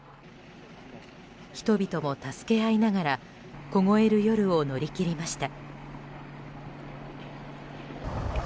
人々も助け合いながら凍える夜を乗り切りました。